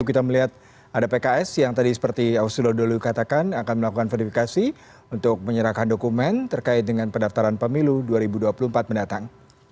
kita melihat ada pks yang tadi seperti ausilo dulu katakan akan melakukan verifikasi untuk menyerahkan dokumen terkait dengan pendaftaran pemilu dua ribu dua puluh empat mendatang